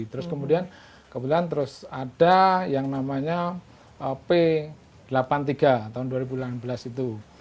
terus kemudian kebetulan terus ada yang namanya p delapan puluh tiga tahun dua ribu delapan belas itu